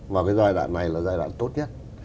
và giai đoạn này là giai đoạn tốt nhất